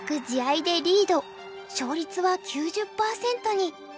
勝率は９０％に。